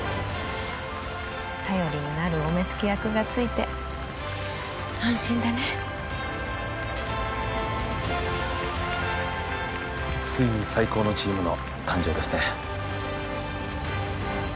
頼りになるお目付け役がついて安心だねついに最高のチームの誕生ですね